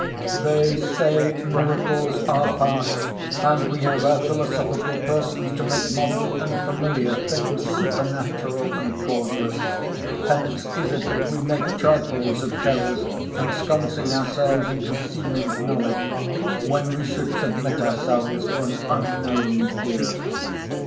They say miracles are past; and we have our philosophical persons to make modern and familiar things supernatural and causeless. Hence is it that we make trifles of terrors, ensconcing ourselves into seeming knowledge when we should submit ourselves to an unknown fear.